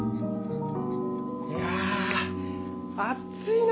いやあ暑いな！